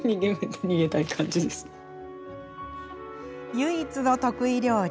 唯一の得意料理。